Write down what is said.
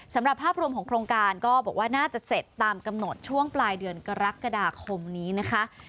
สำหรับภาพรวมของโครงการก็บอกว่าน่าจะเสร็จตามกำหนดช่วงปลายเดือนกรกฎาคมนี้นะคะ